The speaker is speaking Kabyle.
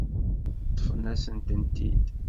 Ṭṭfen-asent-tent-id.